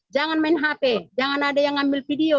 jangan main hp jangan ada yang ngambil video